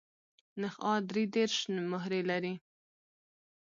نخاع درې دیرش مهرې لري.